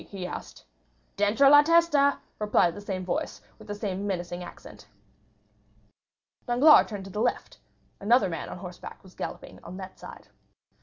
he asked. "Dentro la testa," replied the same voice, with the same menacing accent. Danglars turned to the left; another man on horseback was galloping on that side.